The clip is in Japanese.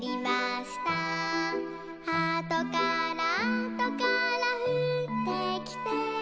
「あとからあとからふってきて」